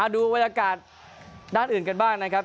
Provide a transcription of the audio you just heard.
ดูบรรยากาศด้านอื่นกันบ้างนะครับ